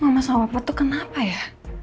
mama sama papa tuh kenapa ya